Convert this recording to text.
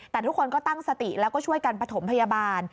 แต่ทุกคนก็ตั้งสติแล้วก็ช่วยกันประถมพยาบาล